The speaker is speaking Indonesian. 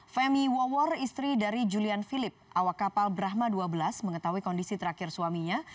femi wawor istri dari julian philip awak kapal brahma dua belas mengetahui kondisi terakhir suaminya